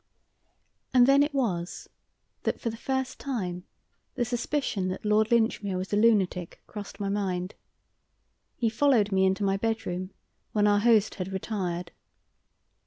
And then it was that, for the first time, the suspicion that Lord Linchmere was a lunatic crossed my mind. He followed me into my bedroom, when our host had retired.